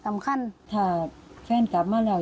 ไม่อาจจะประโยชน์ฟาก